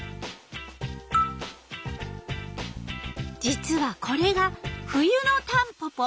実はこれが冬のタンポポ。